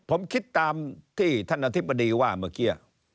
ผมคิดตามที่ท่านอธิบดีว่าเมื่อกี้